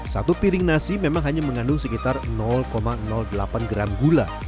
satu piring nasi memang hanya mengandung sekitar delapan gram gula